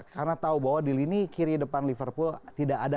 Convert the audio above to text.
karena tahu bahwa di lini kiri depan liverpool